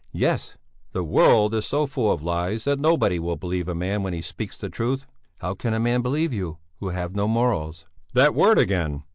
"Yes!" "The world is so full of lies, that nobody will believe a man when he speaks the truth." "How can a man believe you, who have no morals?" "That word again!